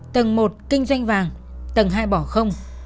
tầng một kinh doanh vàng tầng hai bỏ không